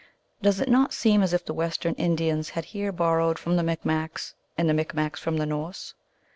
Does it not seem as if the Western Indians had here borrowed from the Micmacs, and the Micmacs from the Norse